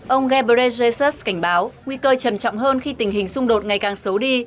ông ghebreyesus cảnh báo nguy cơ trầm trọng hơn khi tình hình xung đột ngày càng xấu đi